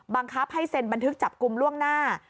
บังคับให้เซ็นบันทึกจับกลุ่มล่วงหน้า